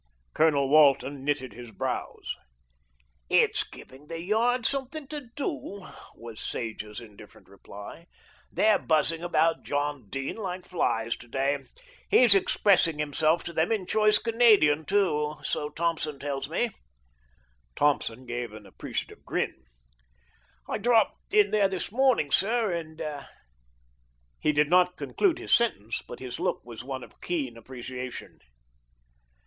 Colonel Walton knitted his brows. "It's giving the Yard something to do," was Sage's indifferent retort. "They're buzzing about John Dene like flies to day. He's expressing himself to them in choice Canadian too, so Thompson tells me." Thompson gave an appreciative grin. "I dropped in there this morning, sir, and " He did not conclude his sentence; but his look was one of keen appreciation.